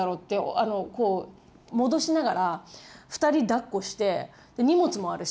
もどしながら２人だっこして荷物もあるし。